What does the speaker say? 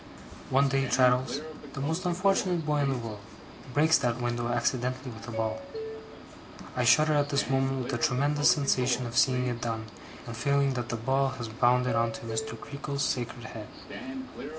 One day, Traddles (the most unfortunate boy in the world) breaks that window accidentally, with a ball. I shudder at this moment with the tremendous sensation of seeing it done, and feeling that the ball has bounded on to Mr. Creakle's sacred head.